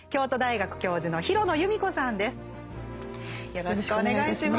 よろしくお願いします。